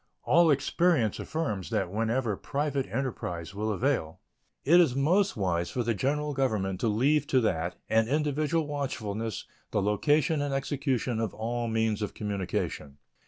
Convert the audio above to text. All experience affirms that wherever private enterprise will avail it is most wise for the General Government to leave to that and individual watchfulness the location and execution of all means of communication.